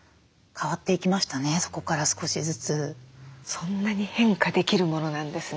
そんなに変化できるものなんですね。